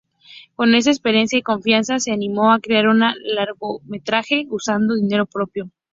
Con esa experiencia y confianza, se animó a crear un largometraje usando dinero propio.